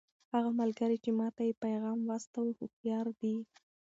هغه ملګری چې ما ته یې پیغام واستاوه هوښیار دی.